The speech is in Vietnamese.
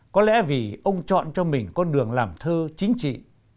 có lẽ vì ông chọn cho mình con đường làm thơ chính trị